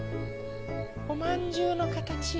おまんじゅうのかたち。